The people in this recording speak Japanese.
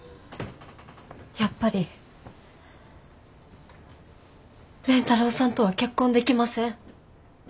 やっぱり蓮太郎さんとは結婚できません。